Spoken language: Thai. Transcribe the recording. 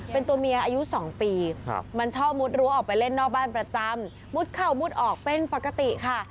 เป็นตัวเมียอายุ๒ปีมันชอบมุดรั้วออกไปเล่นนอกบ้านประจำมุดเข้ามุดออกเป็นปกติค่ะ